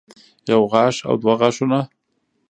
يو غاښ او دوه غاښونه